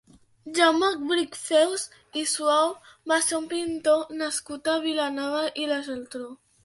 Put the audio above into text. Jaume Brichfeus i Suau va ser un pintor nascut a Vilanova i la Geltrú.